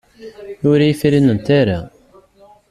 Ur iyi-frinent ara.